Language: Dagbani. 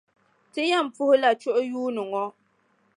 Ti yɛn puhila chuɣu yuuni ŋɔ.